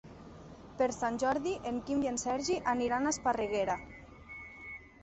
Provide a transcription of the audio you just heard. Per Sant Jordi en Quim i en Sergi aniran a Esparreguera.